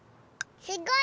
すごい！